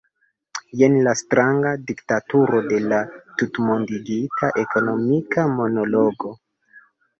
Jen la stranga diktaturo de la tutmondigita ekonomika monologo.